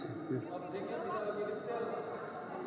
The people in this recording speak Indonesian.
objeknya bisa lebih detail